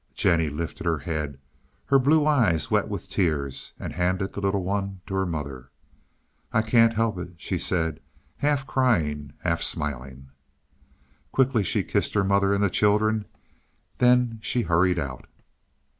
Jennie lifted her head, her blue eyes wet with tears, and handed the little one to her mother. "I can't help it," she said, half crying, half smiling. Quickly she kissed her mother and the children; then she hurried out.